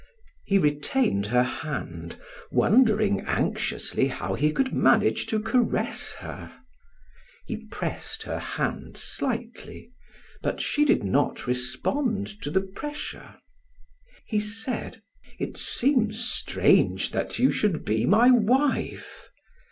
He retained her hand wondering anxiously how he could manage to caress her. He pressed her hand slightly, but she did not respond to the pressure. He said: "It seems strange that you should be my wife."